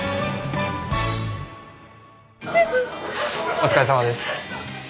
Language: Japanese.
お疲れさまです。